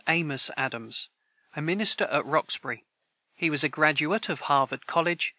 [Footnote 113: Rev. Amos Adams, a minister at Roxbury. He was a graduate of Harvard college.